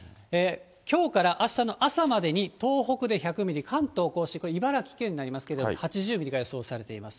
きょうからあしたの朝までに、東北で１００ミリ、関東甲信、これ、茨城県になりますけれども、８０ミリが予想されています。